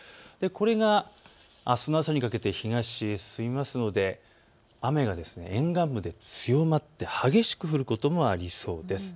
これが、あすの朝にかけて東へ進むので雨が沿岸部で強まって激しく降ることもありそうです。